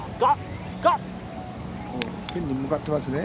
ピンに向かってますね。